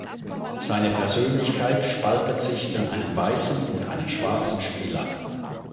Seine Persönlichkeit spaltet sich in einen weißen und einen schwarzen Spieler.